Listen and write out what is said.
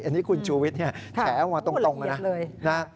อันนี้คุณชูวิทย์แถวมาตรงนะ